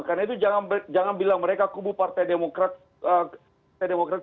karena itu jangan bilang mereka kubu partai demokrat